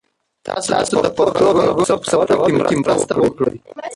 تاسو د پښتو ږغونو په ثبتولو کې مرسته وکړئ.